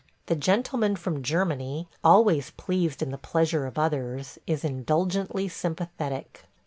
The Gentleman from Germany – always pleased in the pleasure of others – is indulgently sympathetic.